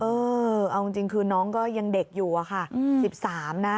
เออเอาจริงคือน้องก็ยังเด็กอยู่อะค่ะ๑๓นะ